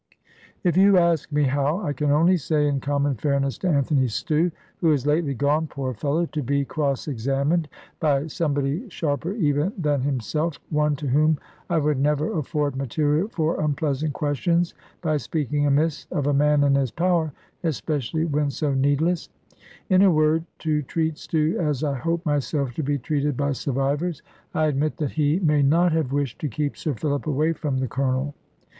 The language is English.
If you ask me how, I can only say, in common fairness to Anthony Stew (who is lately gone, poor fellow, to be cross examined by somebody sharper even than himself one to whom I would never afford material for unpleasant questions, by speaking amiss of a man in his power especially when so needless), in a word, to treat Stew as I hope myself to be treated by survivors, I admit that he may not have wished to keep Sir Philip away from the Colonel.